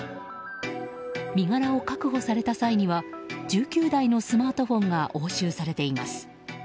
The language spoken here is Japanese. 身柄を確保された際には１９台のスマートフォンが押収されています。